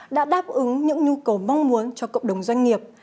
đã đáp ứng những nhu cầu mong muốn cho cộng đồng doanh nghiệp